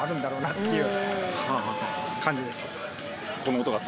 っていう感じです。